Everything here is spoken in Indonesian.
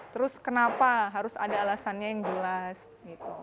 terus kenapa harus ada alasannya yang jelas gitu